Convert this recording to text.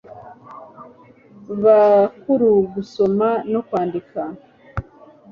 bakuru gusoma no kwandika